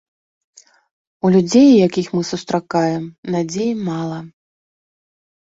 У людзей, якіх мы сустракаем, надзеі мала.